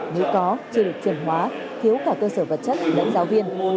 nếu có chưa được truyền hóa thiếu cả cơ sở vật chất đánh giáo viên